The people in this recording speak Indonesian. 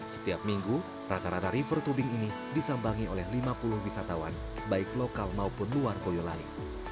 setiap minggu rata rata river tubing ini disambangi oleh lima puluh wisatawan baik lokal maupun luar boyolali